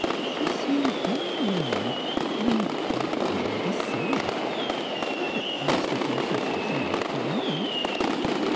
She seemed very young, and — er — rather sullen. That, at least, is the impression she made upon me."